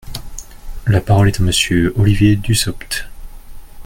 La parole est à Monsieur Olivier Dussopt.